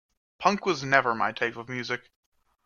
Punk was never my type of music.